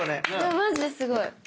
マジですごい。